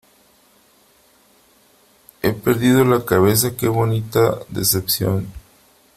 He perdido la cabeza, ¡qué bonita decepción!